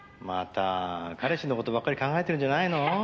「また彼氏の事ばっかり考えてるんじゃないの？」